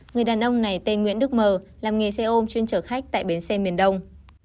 người đàn ông này tên nguyễn đức mờ làm nghề xe ôm chuyên chở khách tại bến xe miền đông